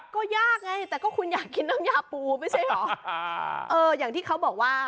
ก็ยากไงแต่ก็คุณอยากกินน้ำยาปูไม่ใช่เหรออ่าเอออย่างที่เขาบอกว่า